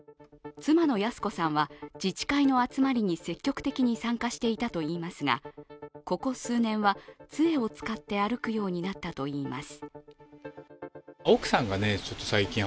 妻の泰子さんは自治会の集まりに積極的に参加していたといいますが、ここ数年はつえを使って歩くようになったといいます。